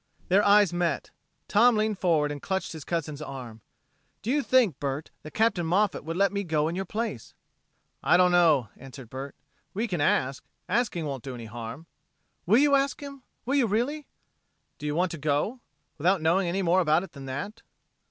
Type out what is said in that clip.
Their eyes met. Tom leaned forward and clutched his cousin's arm. "Do you think, Bert, that Captain Moffat would let me go in your place?" "I don't know," answered Bert. "But we can ask. Asking won't do any harm." "Will you ask him? Will you really?" "Do you want to go? Without knowing any more about it than that?"